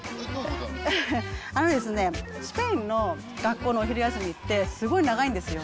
あのですね、スペインの学校のお昼休みってすごい長いんですよ。